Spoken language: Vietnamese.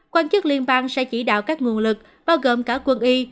quan chức liên bang sẽ chỉ đạo các nguồn lực bao gồm cả quân y